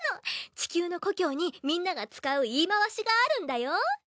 地球の故郷にみんなが使う言い回しがあるんだよ。